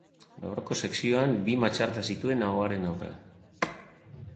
Aurreko sekzioan bi matxarda zituen ahoaren aurrean.